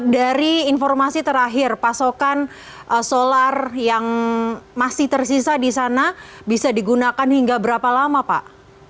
dari informasi terakhir pasokan solar yang masih tersisa di sana bisa digunakan hingga berapa lama pak